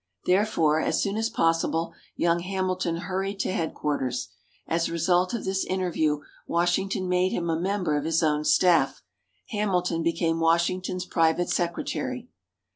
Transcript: Therefore, as soon as possible, young Hamilton hurried to Headquarters. As a result of this interview, Washington made him a member of his own staff. Hamilton became Washington's private secretary.